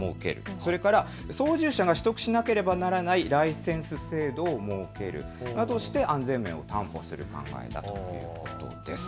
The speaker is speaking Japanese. それから操縦者が取得しなければならないライセンス制度を設けるとして安全面を担保する考えだということです。